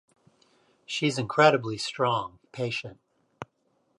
She's incredibly strong, patient.